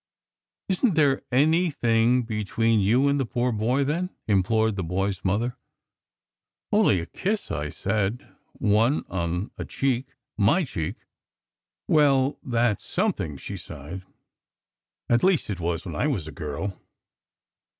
"Isn t there anything between you and the poor boy, then?" implored the boy s mother. "Only a kiss," I said. "One on a cheek. My cheek." "Well, that s something," she sighed. "At least, it was when I was a girl."